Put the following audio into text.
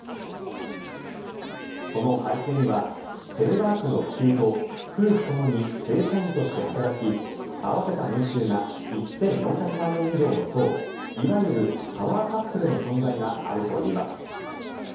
その背景にはテレワークの普及と夫婦ともに正社員として働き合わせた年収が１４００万円以上の層いわゆるパワーカップルの存在があるといいます。